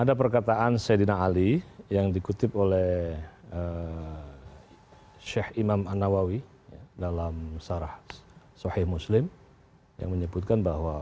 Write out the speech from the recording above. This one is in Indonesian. ada perkataan sayyidina ali yang dikutip oleh sheikh imam al nawawi dalam sarah suhaim muslim yang menyebutkan bahwa